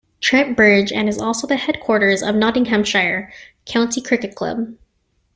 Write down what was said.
Trent Bridge and is also the headquarters of Nottinghamshire County Cricket Club.